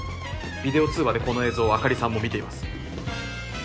ビデオ通話でこの映像をあかりさんも見ています。